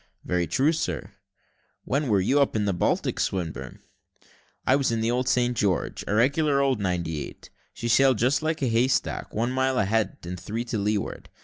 "Very true, sir." "When were you up the Baltic, Swinburne?" "I was in the old St. George, a regular old ninety eight; she sailed just like a hay stack, one mile ahead and three to leeward.